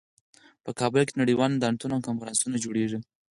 په کابل کې نړیوال نندارتونونه او کنفرانسونه جوړیږي